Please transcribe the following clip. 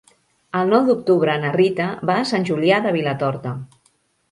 El nou d'octubre na Rita va a Sant Julià de Vilatorta.